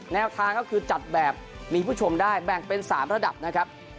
แนวทางก็คือจัดแบบมีผู้ชมได้แบ่งเป็น๓ระดับนะครับ